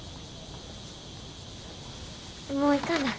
もう行かな。